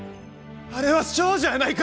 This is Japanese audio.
あれは少女やないか！